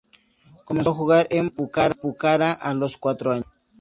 Comenzó a jugar en Pucará a los cuatro años.